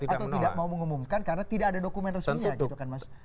atau tidak mau mengumumkan karena tidak ada dokumen resminya